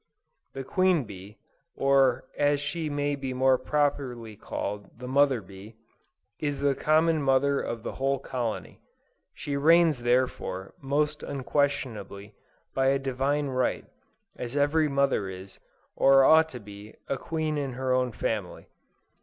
THE QUEEN BEE, or as she may more properly be called THE MOTHER BEE, is the common mother of the whole colony. She reigns therefore, most unquestionably, by a divine right, as every mother is, or ought to be, a queen in her own family.